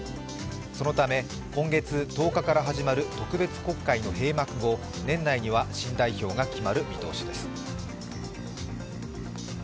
そのため今月１０日から始まる特別国会の閉幕後、年内には新代表が決まる見通しです。